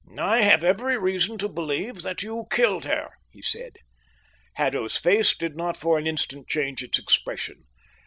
"I have every reason to believe that you killed her," he said. Haddo's face did not for an instant change its expression.